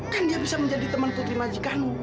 kan dia bisa menjadi teman putri majikanmu